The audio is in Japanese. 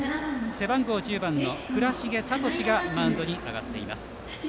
背番号１０番の倉重聡がマウンドに上がっています。